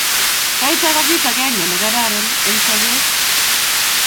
Kaita ko kito akenge ne kararan eng sobee.